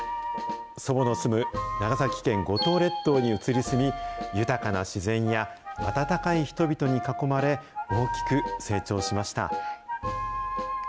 祖母の住む長崎県五島列島に移り住み、豊かな自然や温かい人々に囲まれ、大きく成長しました。